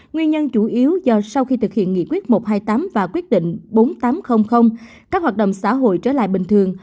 nguyên nhân chủ yếu do sau khi thực hiện nghị quyết một trăm hai mươi tám và quyết định bốn nghìn tám trăm linh các hoạt động xã hội trở lại bình thường